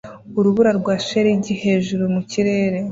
Urubura rwa shelegi hejuru mu kirere